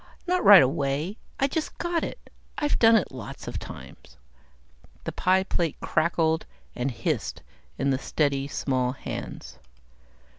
Not right away. I just got it. I've done it lots of times." The pie plate crackled and hissed in the steady, small hands.